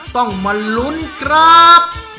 ต้องมาลุ้นครับ